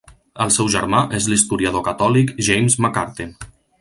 El seu germà és l'historiador catòlic James McCartin.